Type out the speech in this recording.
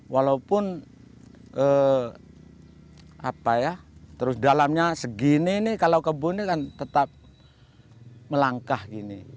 walaupun apa ya terus dalamnya segini ini kalau kebun ini kan tetap melangkah gini